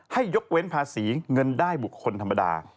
ให้ยกเว้นภาษีเงินได้บุคคลธรรมดา